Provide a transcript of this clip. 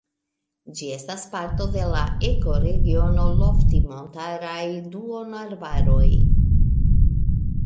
Ĝi estas parto de la ekoregiono lofti-montaraj duonarbaroj.